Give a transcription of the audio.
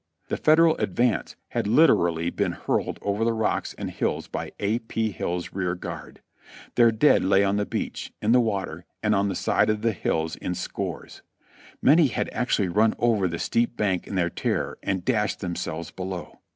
The Federal advance had literally been hurled over the rocks and hills by A. P. Hill's rear guard ; their dead lay on the beach, in the water, and on the side of the hills in scores ; many had actually run over the steep bank in their terror and dashed themselves below.